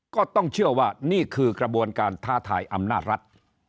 ก็ต้องเชื่อว่านี่คือกระบวนการท้าทายอำนาจรัฐ